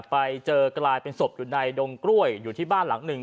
ไปเจอกลายเป็นศพอยู่ในดงกล้วยอยู่ที่บ้านหลังหนึ่ง